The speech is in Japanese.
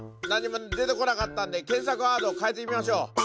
何も出てこなかったんで検索ワードを変えてみましょう！